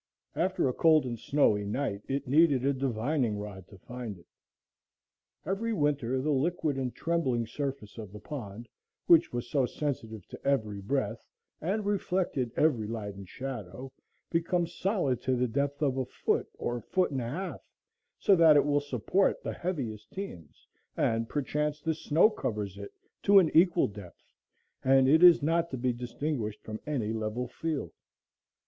After a cold and snowy night it needed a divining rod to find it. Every winter the liquid and trembling surface of the pond, which was so sensitive to every breath, and reflected every light and shadow, becomes solid to the depth of a foot or a foot and a half, so that it will support the heaviest teams, and perchance the snow covers it to an equal depth, and it is not to be distinguished from any level field.